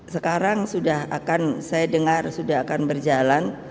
sekarang sudah akan saya dengar sudah akan berjalan